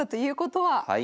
はい。